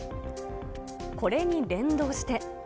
これに連動して。